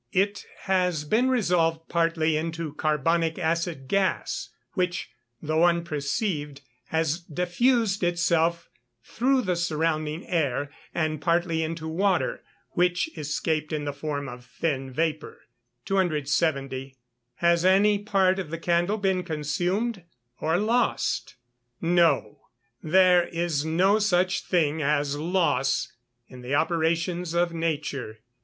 _ It has been resolved partly into carbonic acid gas which, though unperceived, has diffused itself through the surrounding air; and partly into water, which escaped in the form of thin vapour. 270. Has any part of the candle been consumed or lost? No; there is no such thing as "loss" in the operations of nature.